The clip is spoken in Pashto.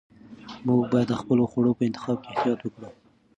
موږ باید د خپلو خوړو په انتخاب کې احتیاط وکړو.